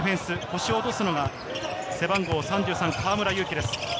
腰を落とすのが背番号３３、河村勇輝です。